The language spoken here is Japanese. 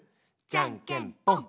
じゃんけんぽん！